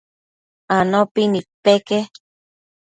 Anopi nidpeque